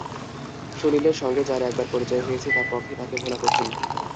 সুনীলের সঙ্গে যাঁর একবার পরিচয় হয়েছে, তাঁর পক্ষে তাঁকে ভোলা কঠিন।